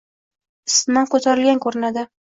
Isitmam ko'tarilgan ko'rinadi.